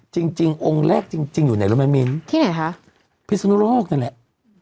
จริงจริงองค์แรกจริงจริงอยู่ไหนร่วมแม่นมินที่ไหนฮะพิศนรกษ์นั่นแหละอ๋อ